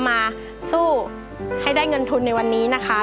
มาสู้ให้ได้เงินทุนในวันนี้นะคะ